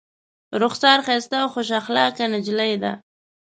رخسار ښایسته او خوش اخلاقه نجلۍ ده.